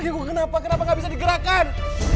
ibu kenapa kenapa gak bisa digerakkan